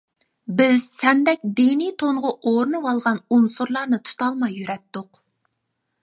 بىز سەندەك دىنىي تونغا ئورىنىۋالغان ئۇنسۇرلارنى تۇتالماي يۈرەتتۇق.